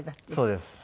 そうです。